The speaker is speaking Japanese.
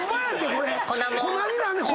これ粉になんねん。